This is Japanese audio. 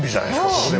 ここでも。